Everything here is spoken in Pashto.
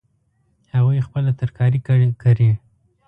هغوی خپله ترکاري کري